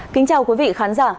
kính chào quý vị khán giả